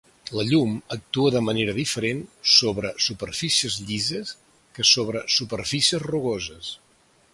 La llum actua de manera diferent sobre superfícies llises que sobre superfícies rugoses.